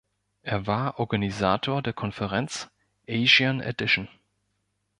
Er war Organisator der Konferenz "Asian Edition.